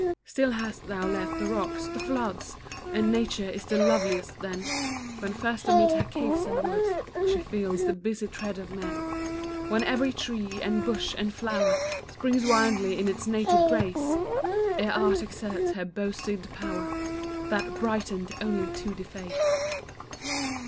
Still hast thou left the rocks, the floods, And nature is the loveliest then, When first amid her caves and woods She feels the busy tread of men; When every tree, and bush, and flower, Springs wildly in its native grace; Ere art exerts her boasted power, That brightened only to deface.